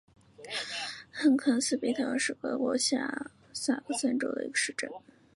汉肯斯比特尔是德国下萨克森州的一个市镇。